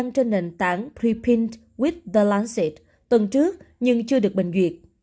đăng trên nền tảng prepint with the lancet tuần trước nhưng chưa được bình duyệt